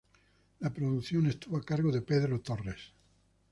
La producción estuvo a cargo de Pedro Torres.